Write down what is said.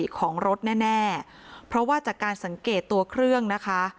รับผิดชอบเพราะกลุ่มควันมันน่าจะเกิดจากความผิดปกติของรถแน่เพราะว่าจากการสังเกตตัวเครื่องนะคะ